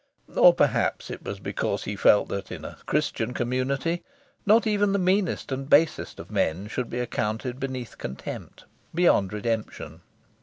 Or perhaps it was because he felt that in a Christian community not even the meanest and basest of men should be accounted beneath contempt, beyond redemption.